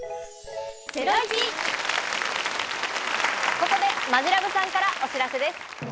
ここでマヂラブさんからお知らせです。